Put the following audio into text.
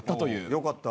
よかった。